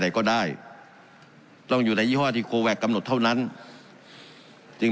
ก็ได้ต้องอยู่ในยี่ห้อที่โคแวคกำหนดเท่านั้นจึง